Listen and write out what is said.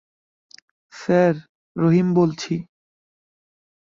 Sir, Rahim বলছি।